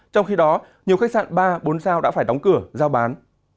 trong khi đó nhiều khách sạn ba bốn sao đã phải đóng cửa giao bán